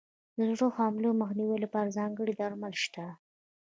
د زړه حملې مخنیوي لپاره ځانګړي درمل شته.